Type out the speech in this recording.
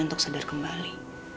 untuk sedar kembali